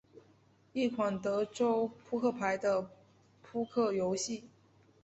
一款德州扑克版的扑克游戏。